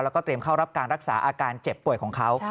แล้วก็เตรียมเข้ารับการรักษาอาการเจ็บป่วยของเขา